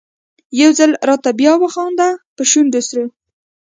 يو ځل راته بیا وخانده په شونډو سرو